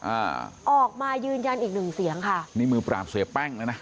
อ่าออกมายืนยันอีกหนึ่งเสียงค่ะนี่มือปราบเสียแป้งแล้วนะ